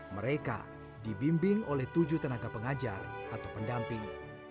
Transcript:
mereka dibimbing oleh tujuh tenaga pengajar atau pendamping